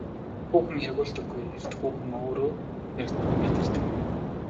Хүүхэн эргүүлдэггүй эрд хөөрхөн хүүхэн өөрөө хүрээд ирдэг юм уу?